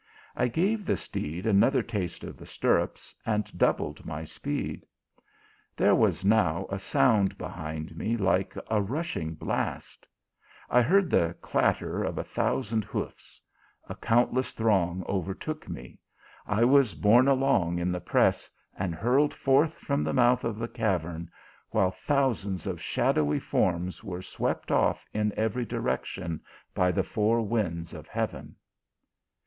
I gave the steed another taste of the stir rups, and doubled my speed. There was now a sound behind me like a rushing blast ; I heard the clatter of a thousand hoofs ; a countless throng over took me ; I was borne along in the press, and hurled GOVERNOR MANGO AND SOLDIER. 201 forth from the mouth of the cavern, while thou sands of shadowy forms were swept off in every di rection by the four winds of heaven.